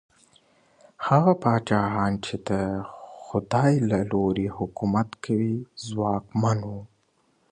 هغه پاچاهان چي د خدای له لورې حکومت کوي، ځواکمن وو.